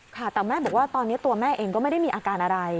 ค่ะแต่แม่บอกว่าตอนนี้ตัวแม่เองก็ไม่ได้มีอาการอะไร